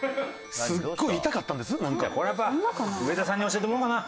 これやっぱ上田さんに教えてもらおうかな。